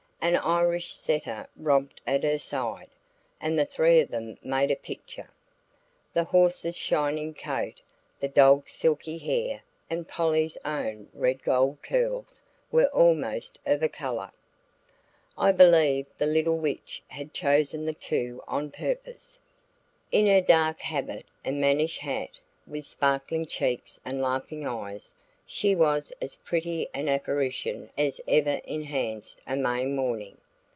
An Irish setter romped at her side, and the three of them made a picture. The horse's shining coat, the dog's silky hair and Polly's own red gold curls were almost of a color. I believe the little witch had chosen the two on purpose. In her dark habit and mannish hat, with sparkling cheeks and laughing eyes, she was as pretty an apparition as ever enhanced a May morning.